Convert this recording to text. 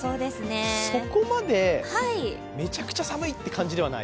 そこまでめちゃくちゃ寒いという感じではない？